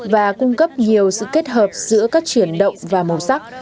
và cung cấp nhiều sự kết hợp giữa các chuyển động và màu sắc